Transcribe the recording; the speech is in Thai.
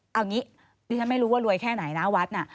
เอางี้ดิฉันไม่รู้ว่ารวยแค่ไหนนะวัดน่ะ